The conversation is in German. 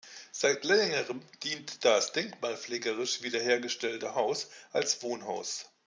Seit längerem dient das denkmalpflegerisch wiederhergestellte Haus als Wohnhaus.